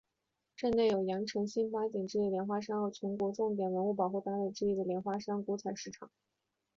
镇内有羊城新八景之一的莲花山和全国重点文物保护单位之一的莲花山古采石场。